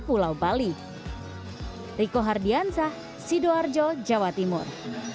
pulau bali hai riko hardiansah sidoarjo jawa timur